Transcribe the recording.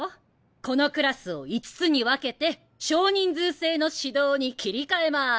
このクラスを５つに分けて少人数制の指導に切り替えます。